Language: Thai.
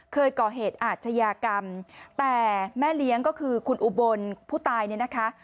เคยก่อเหตุอาชญากรรมแต่แม่เลี้ยงก็คือคุณอุบลผู้ตายเนี่ยนะคะ